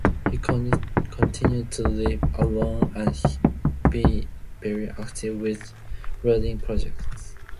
He continued to live alone and be very active with birding projects.